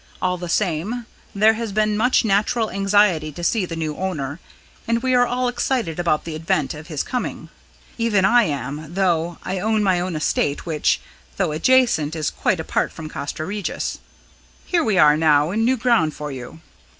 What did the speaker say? All the same, there has been much natural anxiety to see the new owner, and we are all excited about the event of his coming. Even I am, though I own my own estate, which, though adjacent, is quite apart from Castra Regis. Here we are now in new ground for you.